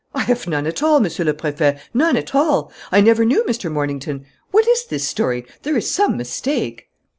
I have none at all, Monsieur le Préfet, none at all. I never knew Mr. Mornington. What is this story? There is some mistake."